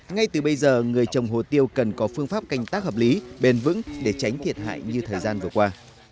ngay từ bây giờ người trồng hồ tiêu cần có phương pháp canh tác hợp lý bền vững để tránh thiệt hại như thời gian vừa qua